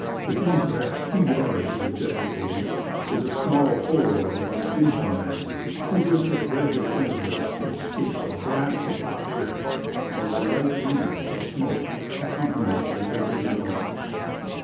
Within perhaps two yards of the jet d'eau, is a small hole of about an inch in diameter, through which, at regular intervals, escapes a blast of hot air with a light wreath of smoke, accompanied by a regular noise.'